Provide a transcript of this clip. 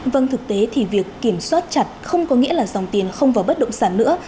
vâng thực tế thì việc kiểm soát chặt không có nghĩa là dòng tiền không vào bất động sản nữa